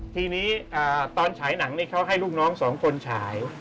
ทีนี้ตอนฉายหนังนี่เขาให้ลูกน้องสองคนฉาย